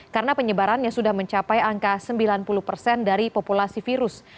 karena penyebarannya sudah mencapai angka sembilan puluh dari populasi virus